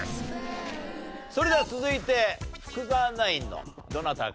それでは続いて福澤ナインのどなたか。